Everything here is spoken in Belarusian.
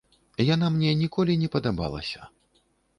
Яна мне ніколі не падабалася.